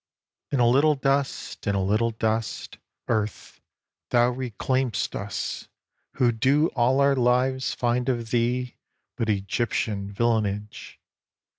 In a little dust, in a little dust, Earth, thou reclaim'st us, who do all our lives Find of thee but Egyptian villeinage.